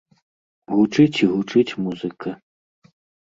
Гучыць і гучыць музыка.